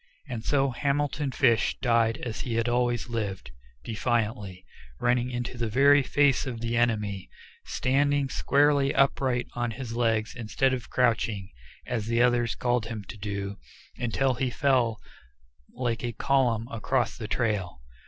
And so Hamilton Fish died as he had lived defiantly, running into the very face of the enemy, standing squarely upright on his legs instead of crouching, as the others called to him to do, until he fell like a column across the trail.